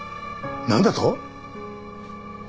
なんだと！？